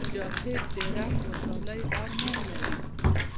مجاهد د رب د خوشحالۍ ارمان لري.